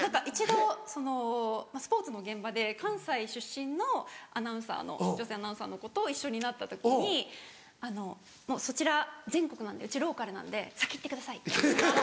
一度スポーツの現場で関西出身のアナウンサーの女性アナウンサーの子と一緒になった時に「そちら全国うちローカルなんで先行ってください」。